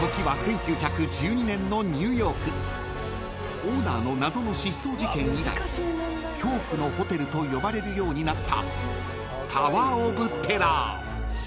［オーナーの謎の失踪事件以来恐怖のホテルと呼ばれるようになった］